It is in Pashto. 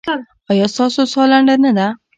ایا ستاسو ساه لنډه نه ده؟